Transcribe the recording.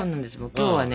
今日はね